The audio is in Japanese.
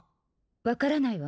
分からないわ